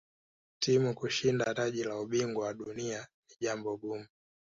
timu kushinda taji la ubingwa wa dunia ni jambo gumu